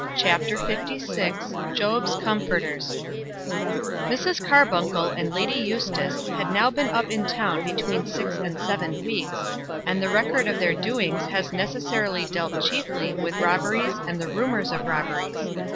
CHAPTER LVI Job's Comforters Mrs. Carbuncle and Lady Eustace had now been up in town between six and seven weeks, and the record of their doings has necessarily dealt chiefly with robberies and the rumours of robberies.